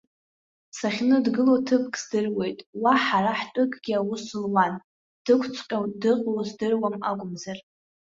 Сахьныдгыло ҭыԥк здыруеит, уа ҳара ҳтәыкгьы аус луан, дықәҵхьоу дыҟоу сыздыруам акәымзар.